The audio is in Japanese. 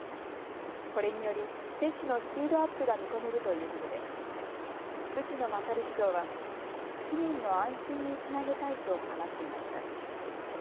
これにより接種のスピードアップが見込めるということで内野優市長は市民の安心につなげたいと話していました。